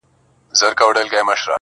پکښي ګرځېدې لښکري د آسونو -